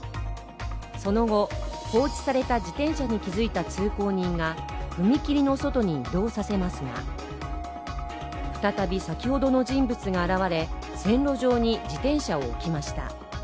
その後、放置された自転車に気づいた通行人が踏切の外に移動させますが、再び先ほどの人物が現れ線路上に自転車を置きました。